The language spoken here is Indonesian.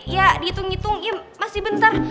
ya diitung itung ya masih bentar